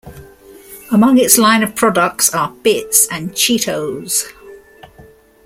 Among its line of products are Bits and Cheetos.